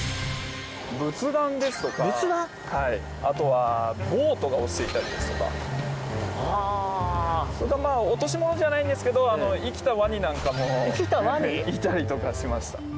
仏壇ですとか、あとはボートが落ちてきたりですとかこれは落とし物ではないんですが生きたワニなんかもいたりとかしました。